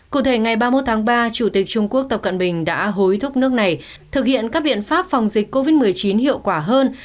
cụ thể ngày ba mươi một tháng ba chủ tịch trung quốc tập cận bình đã hối thúc nước này thực hiện các biện pháp phòng dịch covid một mươi chín hiệu quả hơn